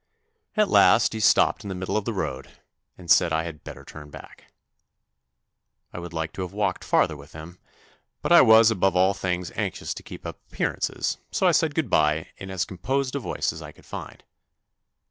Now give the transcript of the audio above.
At last he stopped in the middle of the road, and said I had better turn back. I would liked to have walked farther with him, but I was above all things anxious to keep up appearances, so I said goodbye in as composed a voice as I could find.